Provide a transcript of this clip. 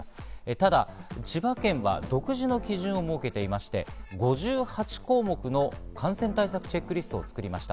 ただ千葉県は独自の基準を設けていまして、５８項目の感染対策チェックリストを作りました。